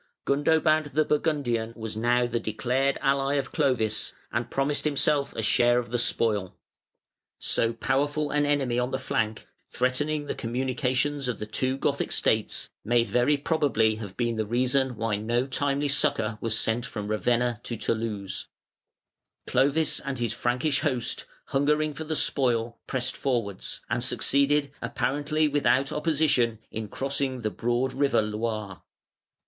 Gundobad the Burgundian was now the declared ally of Clovis, and promised himself a share of the spoil. So powerful an enemy on the flank, threatening the communications of the two Gothic states, may very probably have been the reason why no timely succour was sent from Ravenna to Toulouse. Clovis and his Frankish host, hungering for the spoil, pressed forwards, and succeeded, apparently without opposition, in crossing the broad river Loire.